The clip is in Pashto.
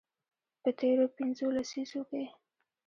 په تیرو پنځو لسیزو کې